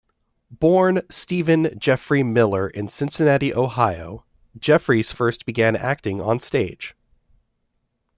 Born Stephen Geoffrey Miller in Cincinnati, Ohio, Geoffreys first began acting on the stage.